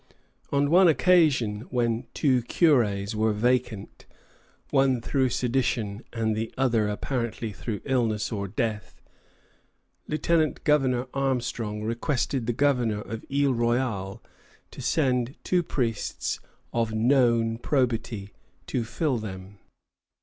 On one occasion when two cures were vacant, one through sedition and the other apparently through illness or death, Lieutenant Governor Armstrong requested the governor of Isle Royale to send two priests "of known probity" to fill them.